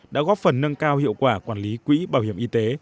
đã góp phần nâng cao hiệu quả quản lý quỹ bảo hiểm y tế